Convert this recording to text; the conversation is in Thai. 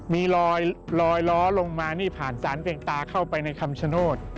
มีลอยล้อลงมานี่ผ่านสารเพียงตาเข้าไปในคำชโนธ